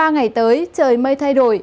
ba ngày tới trời mây thay đổi